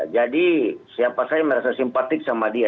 jadi siapa saya merasa simpatik sama dia